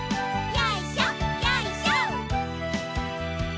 よいしょよいしょ。